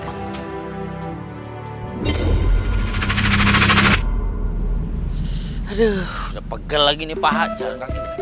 aduh udah pegel lagi nih paha jalan kaki